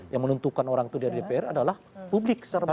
yang menentukan orang itu dari dpr adalah publik secara pribadi